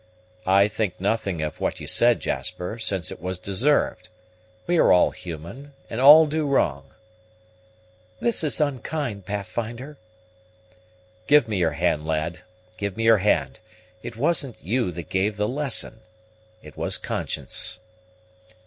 "I think nothing of what you said, Jasper, since it was deserved. We are all human, and all do wrong." "This is unkind, Pathfinder." "Give me your hand, lad, give me your hand. It wasn't you that gave the lesson; it was conscience."